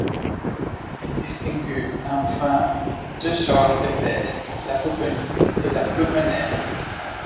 Il distingue enfin deux sortes de peste, la bubonique et la pulmonaire.